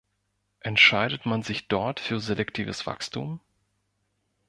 Entscheidet man sich dort für selektives Wachstum?